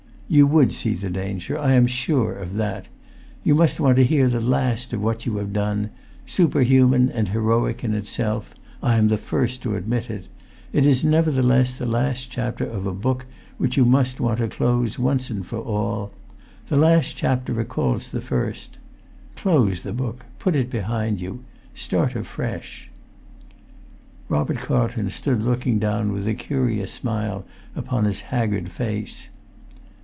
"You would see the danger. I am sure of that. You must want to hear the last of what you have done; superhuman and heroic in itself—I am the first to admit it—it is nevertheless the last chapter of a book which you must want to close once and for all. The last chapter recalls the first. Close the book; put it behind you; start afresh." Robert Carlton stood looking down with a curious smile upon his haggard face.